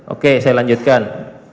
oke saya lanjutkan